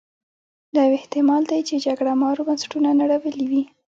دا یو احتما ل دی چې جګړه مارو بنسټونه نړولي وي.